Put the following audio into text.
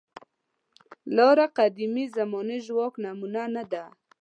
لاره قدیمې زمانې ژواک نمونه نه ده.